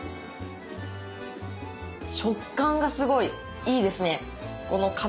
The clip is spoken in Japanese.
食感がすごいいいですね。